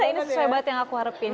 ini sesuai banget yang aku harapin